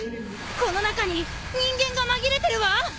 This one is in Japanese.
この中に人間が紛れてるわ！